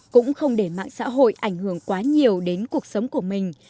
cũng không để mạng xã hội ảnh hưởng quá nhiều đến cuộc sống của mình